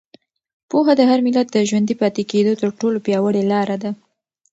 پوهه د هر ملت د ژوندي پاتې کېدو تر ټولو پیاوړې لاره ده.